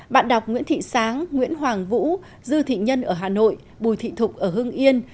bạn đọc nguyễn thị sáng nguyễn hoàng vũ dư thị nhân ở hà nội bùi thị thục ở hưng yên